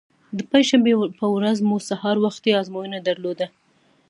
د پنجشنبې په ورځ مو سهار وختي ازموینه درلوده.